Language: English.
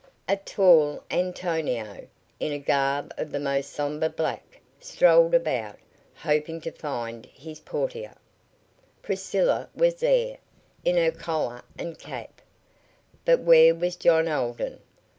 A tall Antonio, in a garb of the most somber black, strolled about, hoping to find his Portia. Priscilla was there, in her collar and cap, but where was John Alden?